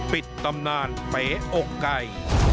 ตำนานเป๋อกไก่